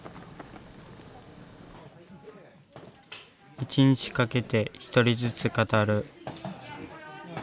１日かけて１人ずつ語る。